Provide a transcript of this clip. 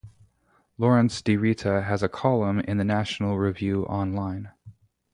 Lawrence Di Rita has a column in the National Review Online.